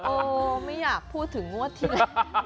โอ้ไม่อยากพูดถึงงวดที่แล้ว